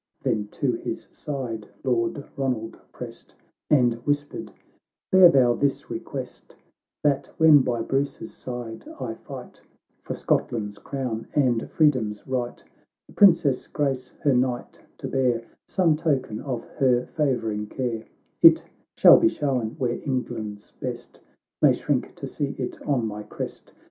— Then to his side Lord Ronald pressed, And whispered, " Bear thou this request, That when by Bruce's side I fight, For Scotland's crown and freedom's right, The princess grace her knight to bear Some token of her favouring care ; It shall be shown where England's best May shrink to see it on my crest.